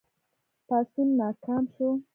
پاڅون ناکام شو.